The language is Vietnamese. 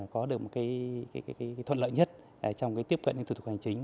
có được một thuận lợi nhất trong tiếp cận những thủ tục hành chính